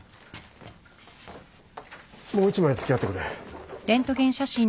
もう一枚付き合ってくれ。